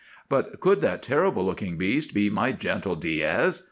But could that terrible looking beast be my gentle Diaz?